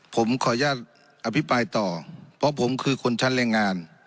ผมขออนุญาตอภิปรายต่อเพราะผมคือคนชั้นแรงงาน